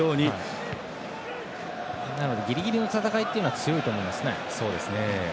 なので、ギリギリの戦いは強いと思いますね。